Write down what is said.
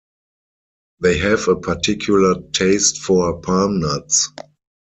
They have a particular taste for palm nuts.